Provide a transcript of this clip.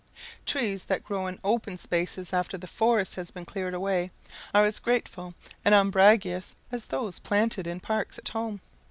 Trees that grow in open spaces after the forest has been cleared away, are as graceful and umbrageous as those planted in parks at home.